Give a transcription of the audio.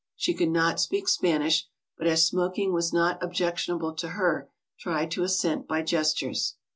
She could not speak Spanish, but as smoking was not objection able to her, tried to assent by gestures.